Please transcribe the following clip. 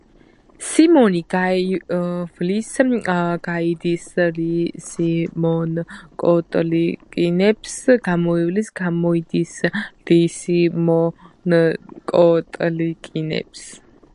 სიმონი გაივლის_გაიდისლისიმონკოტლიკინებს…გამოივლის_გამოიდისლისიმონკოტლიკინებს